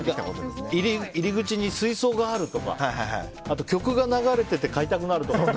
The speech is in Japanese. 入り口に水槽があるとか曲が流れていて買いたくなるとか。